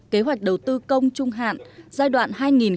kế hoạch đầu tư công trung hạn giai đoạn hai nghìn một mươi sáu hai nghìn hai mươi